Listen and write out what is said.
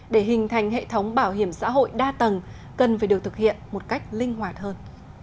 để hình thành hệ thống bảo hiểm xã hội đa tầng cần phải được thực hiện một cách linh hoạt hơn